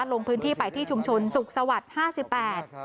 ลงพื้นที่ไปที่ชุมชนสุขสวัสดิ์ห้าสิบแปด